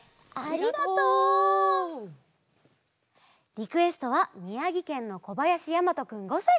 リクエストはみやぎけんのこばやしやまとくん５さいから。